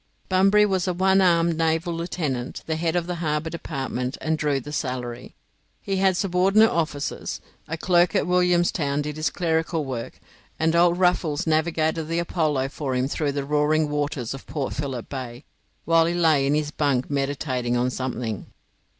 Bunbury was a one armed naval lieutenant, the head of the harbour department, and drew the salary. He had subordinate officers. A clerk at Williamstown did his clerical work, and old Ruffles navigated the 'Apollo' for him through the roaring waters of Port Philip Bay, while he lay in his bunk meditating on something.